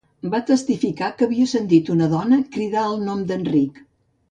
Va testificar que havia sentit una dona cridar el nom d'"Enric".